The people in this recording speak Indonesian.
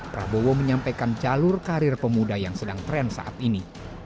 prabowo menyampaikan jalur karir pemuda yang sedang tren saat ini